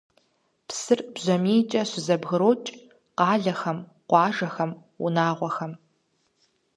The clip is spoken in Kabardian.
Псыр бжьамийкӀэ щызэбгрокӀ къалэхэм, къуажэхэм, унагъуэхэм.